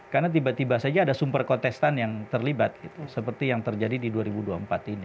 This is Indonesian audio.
karena tiba tiba saja ada sumber kontestan yang terlibat seperti yang terjadi di dua ribu dua puluh empat ini